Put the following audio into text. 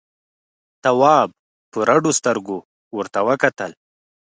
تواب په رډو سترګو ورته وکتل.